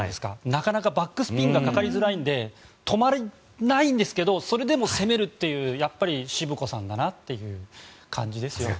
なかなかバックスピンがかかりづらいので止まらないんですけどそれでも攻めるっていうしぶこさんだなっていう感じですよね。